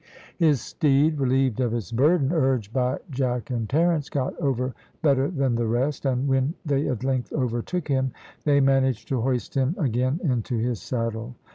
His steed, relieved of its burden, urged by Jack and Terence, got over better than the rest; and when they at length overtook him, they managed to hoist him again into his saddle.